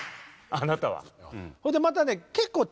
あなたは。